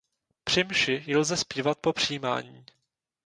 Při mši ji lze zpívat po přijímání.